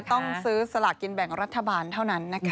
ต้องซื้อสลากกินแบ่งรัฐบาลเท่านั้นนะคะ